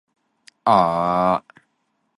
在尊嚴及權利上均各平等